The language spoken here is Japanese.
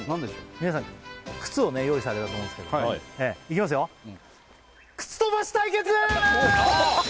皆さん靴をね用意されたと思うんですけどいきますよ靴飛ばし対決！